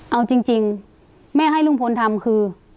เอาจริงแม่ให้ลุงพลทำคือ